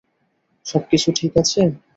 সবকিছু ঠিক আছে?